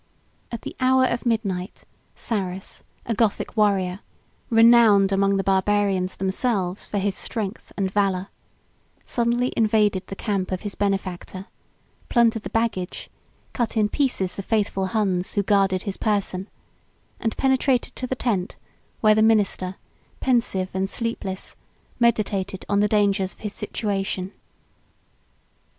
At the hour of midnight, Sarus, a Gothic warrior, renowned among the Barbarians themselves for his strength and valor, suddenly invaded the camp of his benefactor, plundered the baggage, cut in pieces the faithful Huns, who guarded his person, and penetrated to the tent, where the minister, pensive and sleepless, meditated on the dangers of his situation.